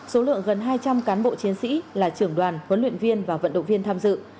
số lượng gần hai trăm linh cán bộ chiến sĩ là trưởng đoàn huấn luyện viên và vận động viên tham dự